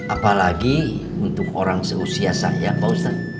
apalagi untuk orang seusia saya pak ustadz